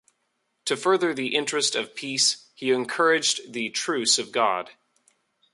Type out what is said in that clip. To further the interest of peace, he encouraged the Truce of God.